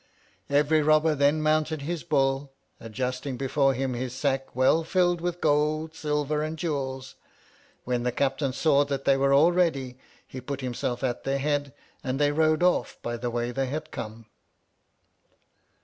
Every robber then mounted his Bull, adjusting before him his sack well filled with gold, silver, and jewels. When the captain saw that they were all ready, he put himself at their head, and they rode off by the way they had come.